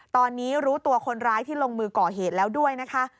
ตอนนี้รู้ตัวคนร้ายที่ลงมือก่อเหตุแล้วด้วยนะคะ